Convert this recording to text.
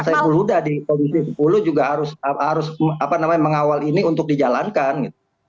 pak saiful huda di polisi sepuluh juga harus apa namanya mengawal ini untuk dijalankan gitu